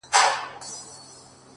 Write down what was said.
په مړاوو گوتو كي قوت ډېر سي”